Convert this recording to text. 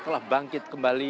telah bangkit kembali